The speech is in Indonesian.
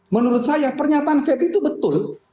menurut saya pernyataan ferry itu betul